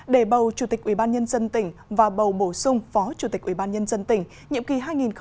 để bầu chủ tịch ubnd tỉnh và bầu bổ sung phó chủ tịch ubnd tỉnh nhiệm kỳ hai nghìn một mươi sáu hai nghìn hai mươi một